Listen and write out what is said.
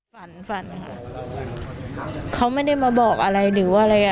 ฝันฝันค่ะเขาไม่ได้มาบอกอะไรหรือว่าอะไรอ่ะ